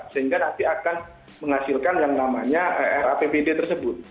sehingga nanti akan menghasilkan yang namanya rapbd tersebut